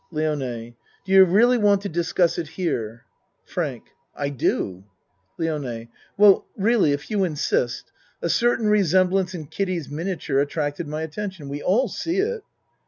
LIONE Do you really want to discuss it here? FRANK I do. LIONE Well, really, if you insist. A certain resemblance in Kiddie's miniature attracted my at tention. We all see it.